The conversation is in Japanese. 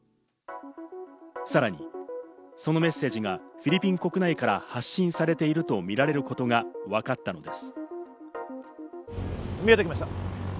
さらに、そのメッセージがフィリピン国内から発信されているとみられることがわかったのです。